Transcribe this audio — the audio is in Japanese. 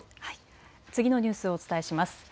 次のニュースお伝えします。